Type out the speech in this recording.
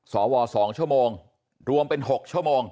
สว๒ชั่วโมงรวมเป็น๖ชั่วโมง